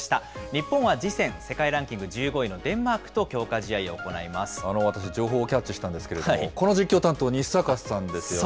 日本は次戦、世界ランキング１５位のデンマークと強化試合を行い私、情報をキャッチしたんですけれども、この実況担当、西阪さんですよね。